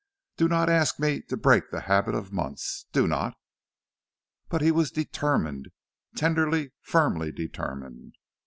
Do not ask me to break the habit of months, do not." But he was determined, tenderly, firmly determined.